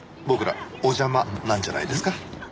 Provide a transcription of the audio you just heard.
僕らお邪魔なんじゃないですか？